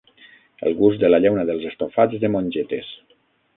El gust de llauna dels estofats de mongetes